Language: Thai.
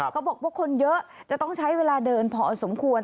เขาบอกว่าคนเยอะจะต้องใช้เวลาเดินพอสมควร